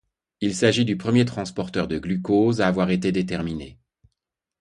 Il s'agit du premier transporteur de glucose à avoir été déterminé.